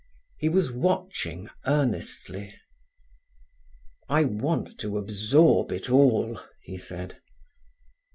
He was watching earnestly. "I want to absorb it all," he said.